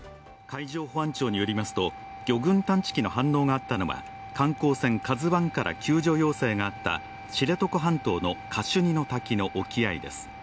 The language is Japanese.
海上保安庁によりますと、魚群探知機の反応があったのは、観光船「ＫＡＺＵⅠ」から救助要請があった知床半島のカシュニの滝の沖合です。